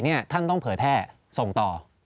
นี่ท่านต้องเผยแพร่ส่งต่อ